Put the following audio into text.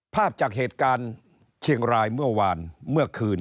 ภาพจากเหตุการณ์เชียงรายเมื่อวานเมื่อคืน